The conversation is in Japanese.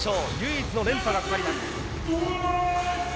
唯一の連覇がかかります。